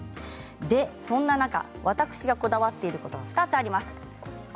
そんな中、私がこだわっていることが２つあります。